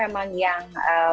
karena memang yang